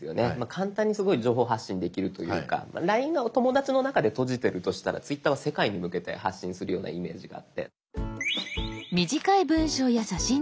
簡単に情報発信できるというか「ＬＩＮＥ」がお友だちの中で閉じてるとしたら「Ｔｗｉｔｔｅｒ」は世界に向けて発信するようなイメージがあって。